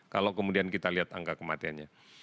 kalau kemudian kita lihat angka kematiannya